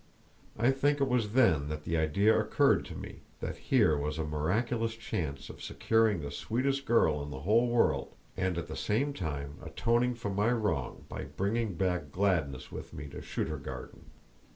I think it was then that the idea occurred to me that here was a miraculous chance of securing the sweetest girl in the whole world, and at the same time atoning for my wrong by bringing back gladness with me to Shuturgarden.